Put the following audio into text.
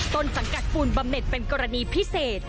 ต้นสังกัดปูนบำเน็ตเป็นกรณีพิเศษ